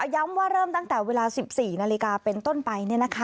ย้ำว่าเริ่มตั้งแต่เวลา๑๔นาฬิกาเป็นต้นไป